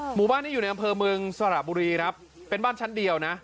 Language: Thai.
หมู่บ้านนี้อยู่ในอำเภอเมืองสระบุรีครับเป็นบ้านชั้นเดียวนะ